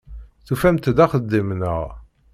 Tufamt-d axeddim, naɣ?